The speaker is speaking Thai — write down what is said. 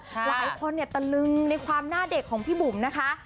หลายคนเนี่ยตะลึงในความหน้าเด็กของพี่บุ๋มนะคะ